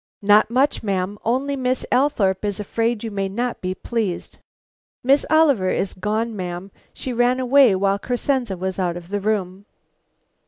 "Not much, ma'am; only Miss Althorpe is afraid you may not be pleased. Miss Oliver is gone, ma'am; she ran away while Crescenze was out of the room."